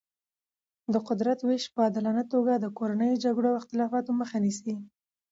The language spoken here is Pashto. د قدرت ویش په عادلانه توګه د کورنیو جګړو او اختلافاتو مخه نیسي.